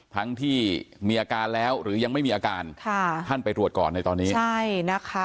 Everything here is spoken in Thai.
ทั้งที่มีอาการแล้วหรือยังไม่มีอาการค่ะท่านไปตรวจก่อนในตอนนี้ใช่นะคะ